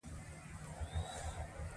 د جګړې په ډګر کې تېښته سوې.